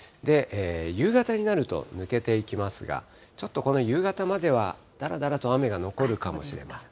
夕方になると抜けていきますが、ちょっとこの夕方まではだらだらと雨が残るかもしれません。